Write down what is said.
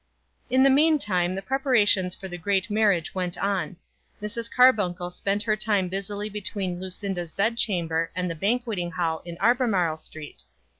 In the meantime the preparations for the great marriage went on. Mrs. Carbuncle spent her time busily between Lucinda's bedchamber and the banqueting hall in Albemarle Street.